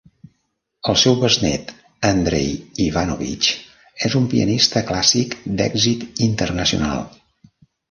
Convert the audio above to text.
El seu besnét Andrei Ivanovitch és un pianista clàssic d'èxit internacional.